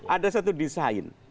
ada satu desain